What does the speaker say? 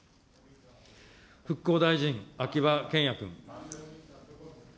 復興大臣、秋葉賢也君。